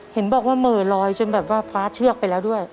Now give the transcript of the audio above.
เห็นบอกว่าเหม่อลอยจนแบบว่าฟ้าเชือกไปแล้วด้วย